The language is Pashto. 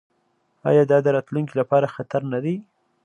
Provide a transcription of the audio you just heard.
آیا دا د راتلونکي لپاره خطر نه دی؟